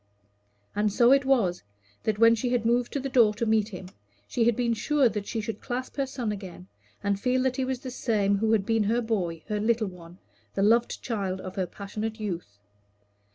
And so it was, that when she had moved to the door to meet him, she had been sure that she should clasp her son again, and feel that he was the same who had been her boy, her little one, the loved child of her passionate youth.